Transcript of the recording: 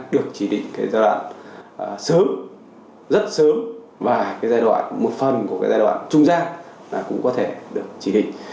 được chỉ định giai đoạn sớm rất sớm và giai đoạn một phần của giai đoạn trung gian cũng có thể được chỉ định